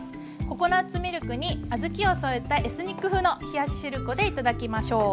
ココナツミルクに小豆を添えたエスニック風の冷やししるこで頂きましょう。